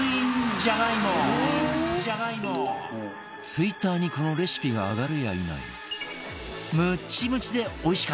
ツイッターにこのレシピが上がるや否や